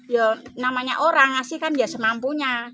ya namanya orang ngasih kan ya semampunya